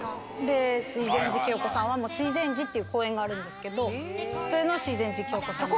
水前寺清子さんは水前寺っていう公園があるんですけどそれの水前寺清子さんだったり。